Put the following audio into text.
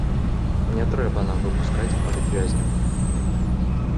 Не трэба нам выпускаць палітвязняў!